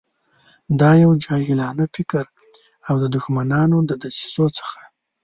دا یو جاهلانه فکر او د دښمنانو له دسیسو څخه.